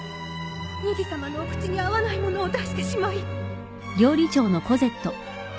ニジさまのお口に合わないものを出してしまい